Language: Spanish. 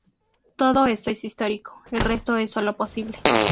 Todo esto es histórico: el resto es sólo posible.